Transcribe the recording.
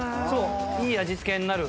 いい味付けになる。